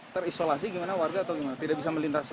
terisolasi gimana warga atau gimana tidak bisa melintasi